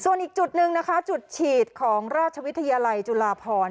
ส่วนอีกจุดหนึ่งนะคะจุดฉีดของราชวิทยาลัยจุฬาพร